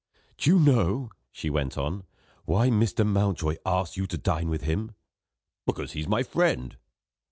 "Do you know," she went on, "why Mr. Mountjoy asked you to dine with him?" "Because he's my friend."